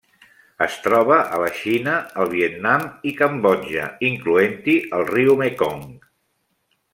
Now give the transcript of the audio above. Es troba a la Xina, el Vietnam i Cambodja, incloent-hi el riu Mekong.